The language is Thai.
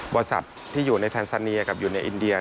บริษัทที่อยู่ในแนนซาเนียกับอยู่ในอินเดีย